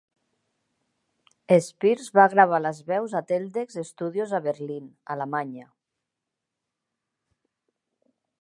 Spears va gravar les veus a Teldex Studios a Berlín, Alemanya.